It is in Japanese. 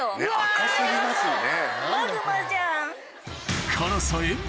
赤過ぎますよね。